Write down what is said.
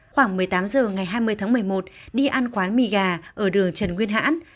khoảng một mươi tám h ngày hai mươi tháng một mươi một đi ăn quán mì gà ở đường trần nguyên hãn